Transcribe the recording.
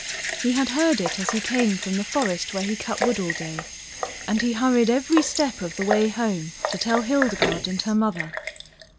He had heard it as he came from the forest where he cut wood all day and he hurried every step of the way home to tell Hildegarde and her mother.